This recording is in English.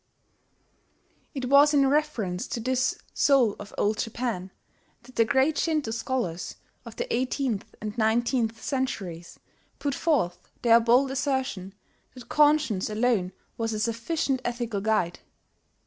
It was in reference to this "Soul of Old Japan" that the great Shinto scholars of the eighteenth and nineteenth centuries put forth their bold assertion that conscience alone was a sufficient ethical guide.